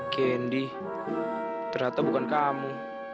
gendy ternyata bukan kamu